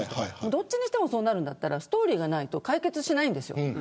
どっちにしても、そうなるならストーリーがないと解決しないんです。